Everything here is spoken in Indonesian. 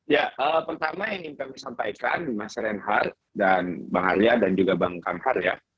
ya pertama ingin kami sampaikan mas reinhardt dan bang arya dan juga bang kamhar ya